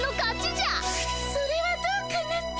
それはどうかなピ。